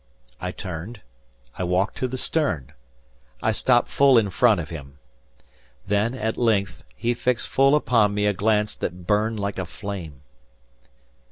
I turned, I walked to the stern, I stopped full in front of him. Then, at length, he fixed full upon me a glance that burned like a flame.